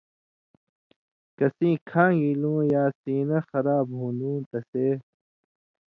کسیں کھانگیۡ ایلُوں یا سینہ خراب ہُون٘دوں تسے